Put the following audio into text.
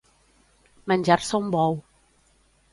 Menjar-se un bou.